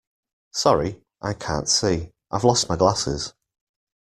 Sorry, I can't see. I've lost my glasses